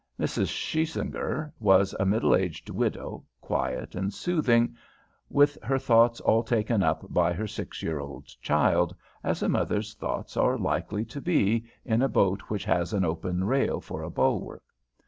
Mrs. Shiesinger was a middle aged widow, quiet and soothing, with her thoughts all taken up by her six year old child, as a mother's thoughts are likely to be in a boat which has an open rail for a bulwark.